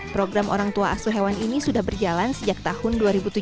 program orang tua asu hewan ini sudah berjalan sejak tahun dua ribu tujuh belas